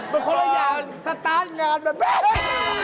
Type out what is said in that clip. มันคนละอย่างสตาร์ทงานแบบนี้